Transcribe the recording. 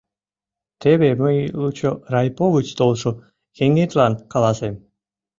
Теве мый лучо райпо гыч толшо еҥетлан каласем...